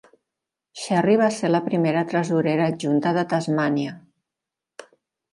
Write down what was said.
Sherry va ser la primera tresorera adjunta de Tasmània.